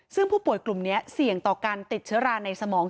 ซึ่งผู้ป่วยกลุ่มนี้เสี่ยงต่อการติดเชื้อราในสมอง